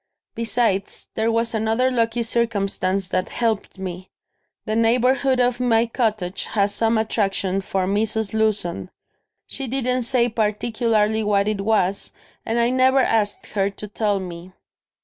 Besides, there was another lucky circumstance that helped me. The neighbourhood of my cottage has some attraction for Mrs. Lewson. She didn't say particularly what it was and I never asked her to tell me."